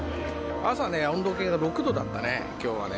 朝ね、温度計が６度だったね、きょうはね。